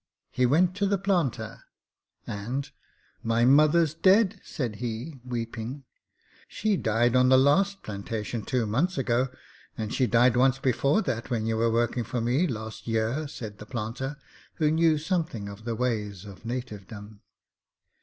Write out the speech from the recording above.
He went to the planter, and 'My mother's dead,' said he, weeping. 'She died on the last plantation two months ago; and she died once before that when you were working for me last year,' said the planter, who knew something of the ways of nativedom.